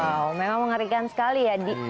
wow memang mengerikan sekali ya